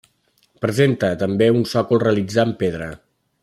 Presenta, també, un sòcol realitzar amb pedra.